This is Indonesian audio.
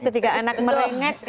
ketika anak merengek